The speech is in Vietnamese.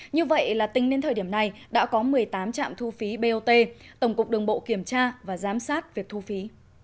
như vậy là tính đến thời điểm này đã có một mươi tám trạm thu phí bot tổng cục đường bộ kiểm tra và giám sát việc thu phí